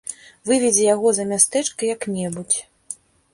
Выведзі яго за мястэчка як-небудзь.